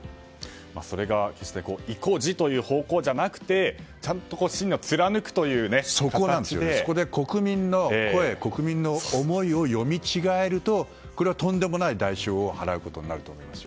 それが決して意固地という方向じゃなくてそこで国民の声国民の思いを読み違えるととんでもない代償を払うことになると思いますよ。